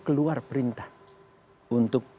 keluar perintah untuk